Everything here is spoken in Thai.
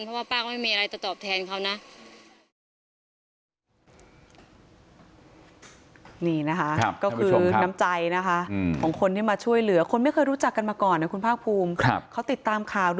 เพราะว่าป้าก็ไม่มีอะไรจะตอบแทนเขานะ